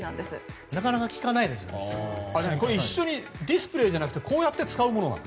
ディスプレーじゃなくてこうやって使うものなの？